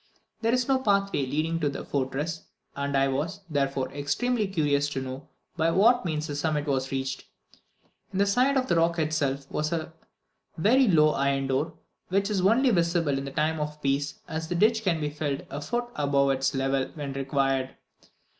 There is no pathway leading to the fortress, and I was, therefore, extremely curious to know by what means the summit was reached. In the side of the rock itself was a very low iron door, which is only visible in time of peace, as the ditch can be filled a foot above its level when required.